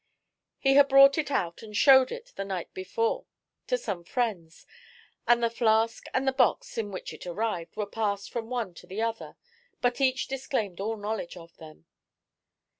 He had brought it out and showed it the night before to some friends, and the flask and the box in which it arrived were passed from one to the other, but each disclaimed all knowledge of them.